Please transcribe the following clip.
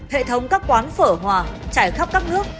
hệ thống các quán phở hòa chảy khắp các nước